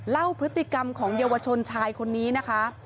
เล่าพฤติกรรมของเยาวชนชายคนนี้นะคะ